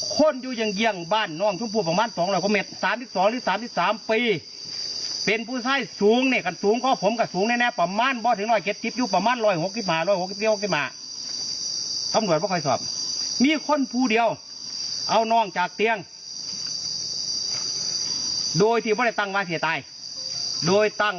คนอยู่จังเยี่ยงบ้านนอกชุมพูดบ่ประมาณสองร้อยกว่าเม็ดสามที่สองอื่น